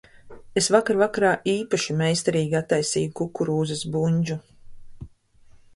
Es vakar vakarā īpaši meistarīgi attaisīju kukurūzas bundžu.